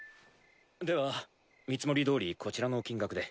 では見積もりどおりこちらの金額で。